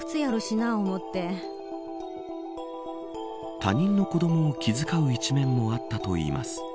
他人の子どもを気遣う一面もあったといいます。